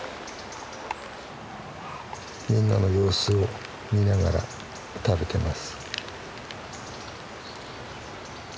みんなの様子を見ながら食べてます。